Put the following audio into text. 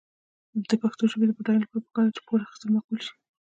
د پښتو ژبې د بډاینې لپاره پکار ده چې پور اخیستل معقول شي.